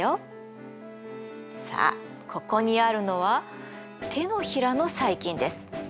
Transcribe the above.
さあここにあるのは手のひらの細菌です。